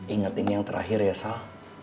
ingat ini yang terakhir ya sal